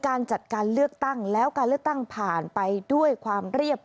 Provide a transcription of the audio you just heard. การจัดการเลือกตั้งแล้วการเลือกตั้งผ่านไปด้วยความเรียบ